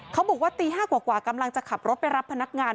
เขาบอกว่าตี๕กว่ากำลังจะขับรถไปรับพนักงาน